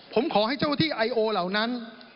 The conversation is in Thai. ผมขอให้เจ้าที่ไอโอเหล่านั้น